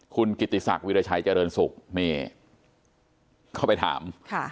คุณกิตติศักดิ์วิรชัยเจริญศุกร์นี่เข้าไปถามค่ะ